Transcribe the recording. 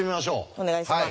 お願いします。